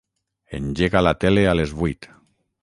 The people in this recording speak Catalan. Engega la tele a les vuit.